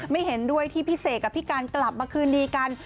เห็นด้วยที่พี่เสกกับพี่การกลับมาคืนดีกัน